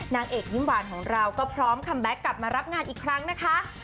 นางเอกยิ้มหวานของเราก็พร้อมคัมแบ็คกลับมารับงานอีกครั้งนะคะ